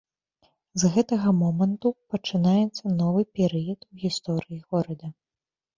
З гэтага моманту пачынаецца новы перыяд у гісторыі горада.